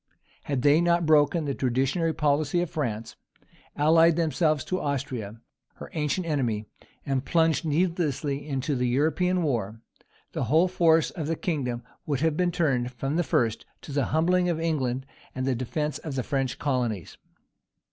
Had they not broken the traditionary policy of France, allied themselves to Austria, her ancient enemy, and plunged needlessly into the European war, the whole force of the kingdom would have been turned, from the first, to the humbling of England and the defence of the French colonies.